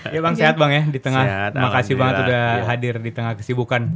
ya bang sehat bang ya di tengah makasih banget sudah hadir di tengah kesibukan